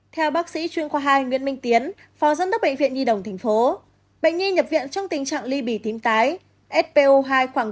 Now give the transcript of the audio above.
theo bác sĩ chuyên khoa hai nguyễn minh tiến phó giám đốc bệnh viện di đồng tp hcm bệnh nhi nhập viện trong tình trạng ly bì tím tái spo hai khoảng tám mươi tám mươi hai